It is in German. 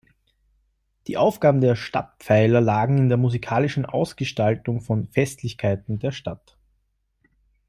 Die Aufgaben der Stadtpfeifer lagen in der musikalischen Ausgestaltung von Festlichkeiten der Stadt.